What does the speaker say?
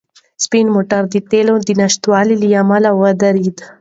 سپین موټر د تېلو د نشتوالي له امله ودرېد.